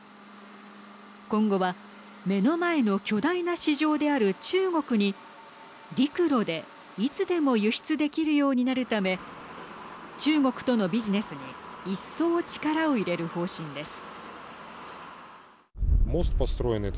今後は目の前の巨大な市場である中国に陸路で、いつでも輸出できるようになるため中国とのビジネスに一層、力を入れる方針です。